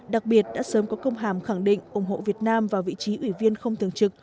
đặc biệt đã sớm có công hàm khẳng định ủng hộ việt nam vào vị trí ủy viên không thường trực